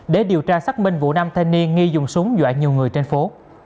để điều tra xác minh vụ nam thanh niên nghi dùng súng dọa nhiều người trên phố